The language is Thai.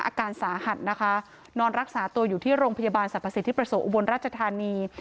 อาการสาหัสนะคะนอนรักษาตัวอยู่ที่โรงพยาบาลสรรพสิทธิประสงค์อุบลราชธานี